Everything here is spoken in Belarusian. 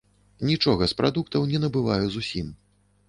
Нічога з прадуктаў не набываю зусім.